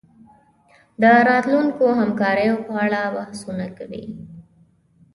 د راتلونکو همکاریو په اړه بحثونه کوي